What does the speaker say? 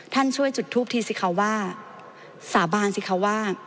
ท่านช่วยจุดทูปทีสิคะว่าสาบานสิคะว่า